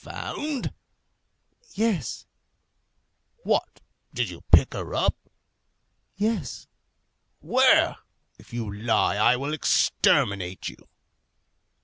"Found?" "Yes." "What! did you pick her up?" "Yes." "Where? If you lie I will exterminate you."